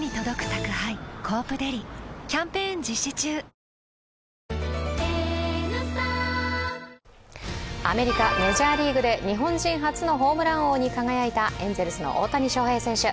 味で選べば「ＦＩＲＥＯＮＥＤＡＹ」アメリカ・メジャーリーグで日本人初のホームラン王に輝いたエンゼルスの大谷翔平選手。